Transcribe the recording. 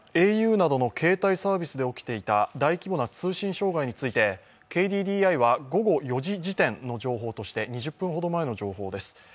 ａｕなどの携帯サービスで起きていた大規模な通信障害についてＫＤＤＩは、午後４時時点の情報として、２０分ほど前の情報です。